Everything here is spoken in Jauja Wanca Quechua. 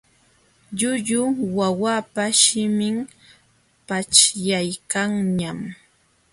Llullu wawapa shimin paćhyaykanñam.